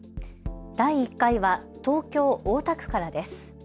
第１回は東京大田区からです。